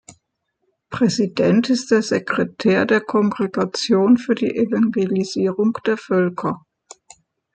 Präsident ist der Sekretär der Kongregation für die Evangelisierung der Völker.